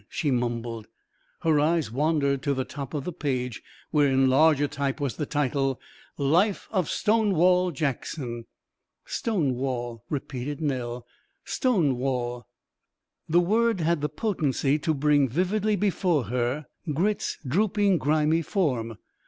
she mumbled. Her eyes wandered to the top of the page, where in larger type was the title: "Life of 'STONEWALL' JACKSON." "Stonewall," repeated Nell. "Stonewall!" The word had the potency to bring vividly before her Grit's drooping, grimy form.